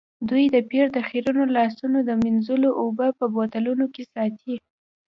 دوی د پیر د خیرنو لاسونو د مینځلو اوبه په بوتلونو کې ساتي.